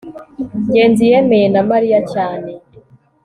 ngenzi yemeye na mariya cyane